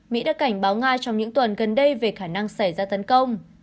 mỹ đã cảnh báo nga trong những tuần gần đây về khả năng xảy ra tấn công